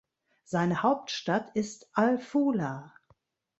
Seine Hauptstadt ist al-Fula.